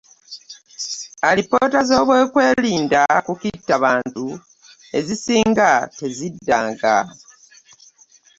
alipoota z'abyikwerinda ku kitya bantu ezisinga tezidda nga.